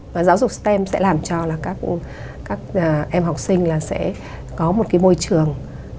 và giáo dục stem sẽ làm cho là các em học sinh là sẽ có một cái môi trường